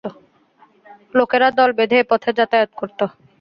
লোকেরা দল বেঁধে এ পথে যাতায়াত করত।